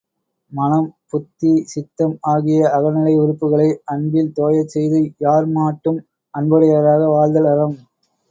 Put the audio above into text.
மனம், புத்தி சித்தம் ஆகிய அகநிலை உறுப்புக்களை அன்பில் தோயச் செய்து யார் மாட்டும் அன்புடையராக வாழ்தல் அறம்.